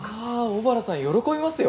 小原さん喜びますよ。